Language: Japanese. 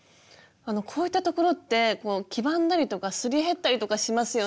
こういった所って黄ばんだりとかすり減ったりとかしますよね。